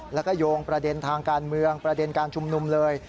แล้วก็โยงประเด็นทางการเมืองประเด็นการชุมนุมเลย